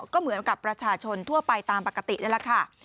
ก็เหมือนกับประชาชนทั่วไปตามปกตินั่นแหละค่ะ